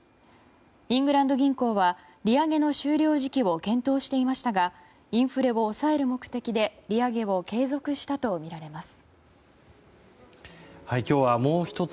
イングランド銀行は利上げの終了時期を検討していましたがインフレを抑える目的で利上げを継続したとみられます。